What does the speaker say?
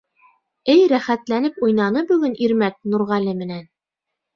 Эй рәхәтләнеп уйнаны бөгөн Ирмәк Нурғәле менән.